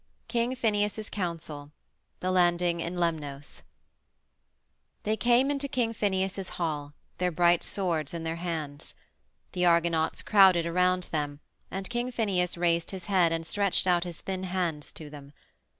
KING PHINEUS'S COUNSEL; THE LANDING IN LEMNOS They came into King Phineus's hall, their bright swords in their hands. The Argonauts crowded around them and King Phineus raised his head and stretched out his thin hands to them.